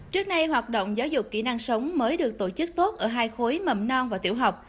trước nay hoạt động giáo dục kỹ năng sống mới được tổ chức tốt ở hai khối mầm non và tiểu học